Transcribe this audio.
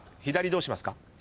左どうしますか？